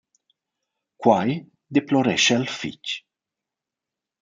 Quai deplorescha el fich.